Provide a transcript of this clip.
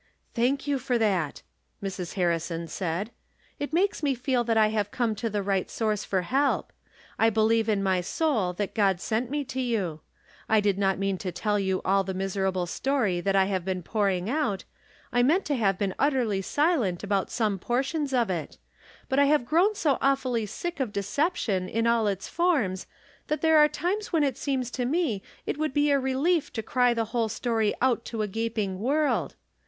" Thank you for that," Mrs. Harrison said. " It makes me feel that I have come to the right source for help. I beheve in my soul that God sent me to you. I did not mean to tell you all the miserable story that I have been pouring out ; I meant to have been utterly silent about some portions of it ; but I have grown so awfully sick of deception, in all its forms, that there are times when it seems to me it would be a relief to cry the whole story out to a gaping world.